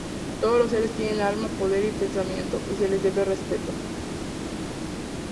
Todos los seres tienen alma, poder y pensamiento, y se les debe respeto.